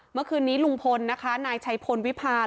เมื่อคืนนี้ลุงพลนะคะนายชัยพลวิพาล